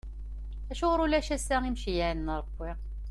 Acuɣer ulac ass-a imceyyɛen n Ṛebbi?